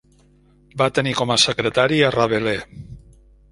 Va tenir com a secretari a Rabelais.